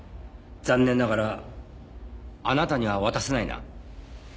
残念ながらあなたには渡せないな。